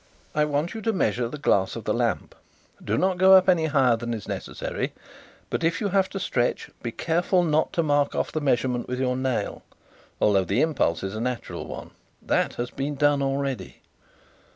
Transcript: "I want you to measure the glass of the lamp. Do not go up any higher than is necessary, but if you have to stretch be careful not to mark off the measurement with your nail, although the impulse is a natural one. That has been done already."